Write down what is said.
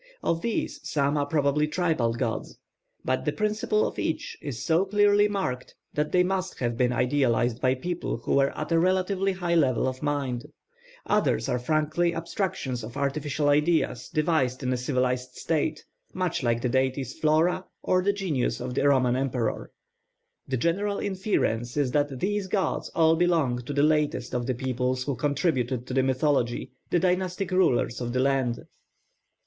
Of these some are probably tribal gods; but the principle of each is so clearly marked that they must have been idealised by people who were at a relatively high level of mind. Others are frankly abstractions of artificial ideas devised in a civilised state, much like the deities Flora or the Genius of the Roman Emperor. The general inference is that these gods all belong to the latest of the peoples who contributed to the mythology, the dynastic rulers of the land.